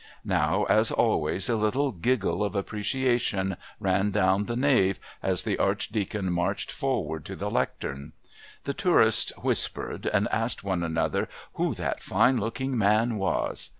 Now, as always, a little giggle of appreciation ran down the nave as the Archdeacon marched forward to the Lectern. The tourists whispered and asked one another who that fine looking man was.